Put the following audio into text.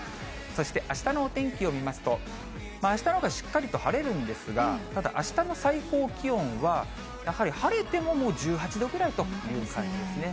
そしてあしたのお天気を見ますと、あしたのほうがしっかりと晴れるんですが、ただあしたの最高気温は、やはり晴れても、もう１８度ぐらいという感じですね。